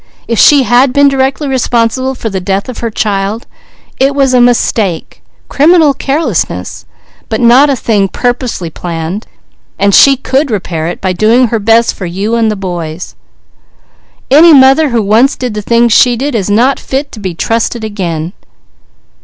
If she had been directly responsible for the death of her child, it was a mistake, criminal carelessness, but not a thing purposely planned; so she could atone for it by doing her best for you and the boys." "Any mother who once did the things she did is not fit to be trusted again!"